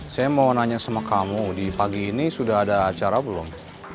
saya mau nanya sama kamu di pagi ini sudah ada acara belum